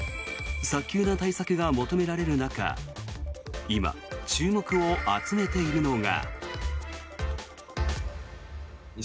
早急な対策が求められる中今、注目を集めているのが。